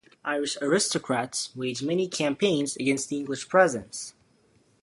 Irish aristocrats waged many campaigns against the English presence.